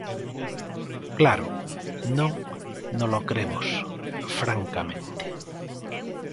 Claro, non nolo cremos, francamente.